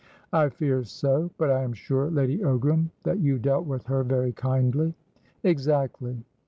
"I fear so. But I am sure, Lady Ogram, that you dealt with her very kindly." "Exactly."